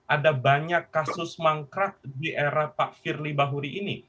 ada banyak kasus mangkrak di era pak firly bahuri ini